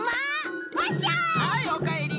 はいおかえり。